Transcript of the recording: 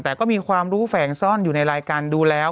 แต่ก็มีความรู้แฝงซ่อนอยู่ในรายการดูแล้ว